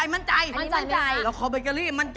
มั่นใจ